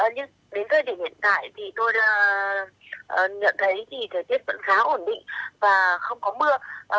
nhưng đến thời điểm hiện tại thì tôi nhận thấy thì thời tiết vẫn khá ổn định và không có mưa